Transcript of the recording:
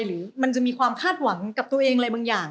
หรือมันจะมีความคาดหวังกับตัวเองอะไรบางอย่าง